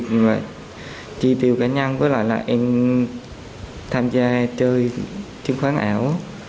nhưng lại chi tiêu cá nhân với lại là em tham gia chơi chứng khoán ảo